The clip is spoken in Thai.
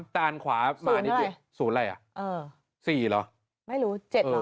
๒๘๓แต่อันขวาสูงอะไรสูงอะไรอ่ะ๔หรอไม่รู้๗หรอ